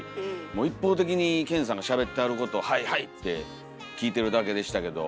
一方的に健さんがしゃべってはることを「はいはい」って聞いてるだけでしたけど。